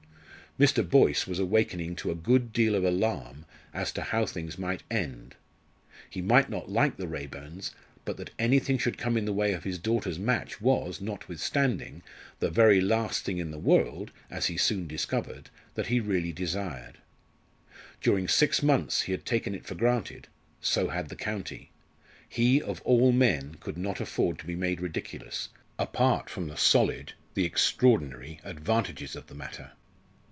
Mr. Boyce was awakening to a good deal of alarm as to how things might end. He might not like the Raeburns, but that anything should come in the way of his daughter's match was, notwithstanding, the very last thing in the world, as he soon discovered, that he really desired. During six months he had taken it for granted; so had the county. He, of all men, could not afford to be made ridiculous, apart from the solid, the extraordinary advantages of the matter.